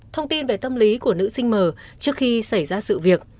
thông tin về tâm lý của nữ sinh mờ trước khi xảy ra sự việc